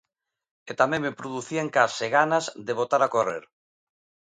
E tamén me producían case ganas de botar a correr.